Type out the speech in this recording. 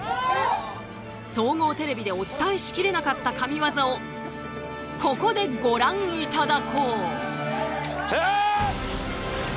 総合テレビでお伝えし切れなかった神業をここでご覧いただこう。